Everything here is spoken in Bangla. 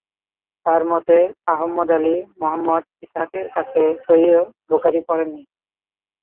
তার মতে আহমদ আলী মুহাম্মদ ইসহাকের কাছে সহিহ বুখারী পড়েন নি।